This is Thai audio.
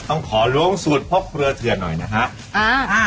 ต้องขอล้วงสูตรผลักเครือเธอหน่อยนะครับ